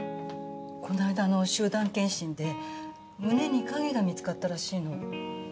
こないだの集団検診で胸に影が見つかったらしいの。